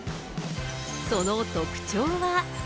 その特徴は？